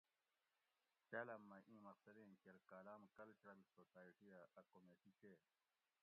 کالام مئی ایں مقصدیں کیر کالام کلچرل سوسائیٹیہ ا کمیٹی چیت